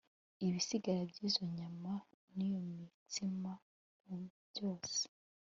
Ibisigara by izo nyama n iyo mitsima mubyose